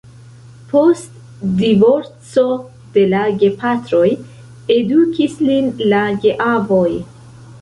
Post divorco de la gepatroj edukis lin la geavoj.